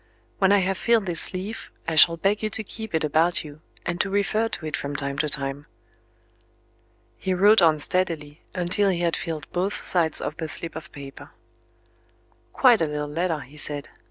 When I have filled this leaf, I shall beg you to keep it about you, and to refer to it from time to time." He wrote on steadily, until he had filled both sides of the slip of paper. "Quite a little letter," he said.